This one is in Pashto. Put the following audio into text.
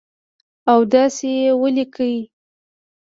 او داسي یې ولیکئ